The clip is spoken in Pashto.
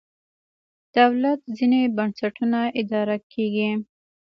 دولت ځینې بنسټونه اداره کېږي.